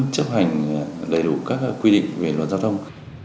chấp hành đầy đủ các quy định về luật giao thông